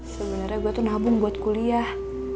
sebenarnya gue tuh nabung buat kuliah